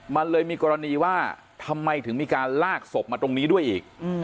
มันเลยมีกรณีว่าทำไมถึงมีการลากศพมาตรงนี้ด้วยอีก